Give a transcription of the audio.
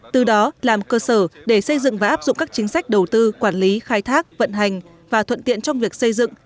từ đó làm cơ sở để xây dựng và áp dụng các chính sách đầu tư quản lý khai thác vận hành và thuận tiện trong việc xây dựng